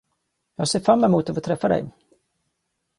Jag ser fram emot att få träffa dig!